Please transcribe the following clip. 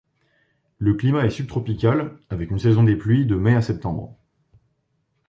Le climat est subtropical, avec une saison des pluies de mai à septembre.